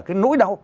cái nỗi đau